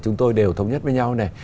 chúng tôi đều thống nhất với nhau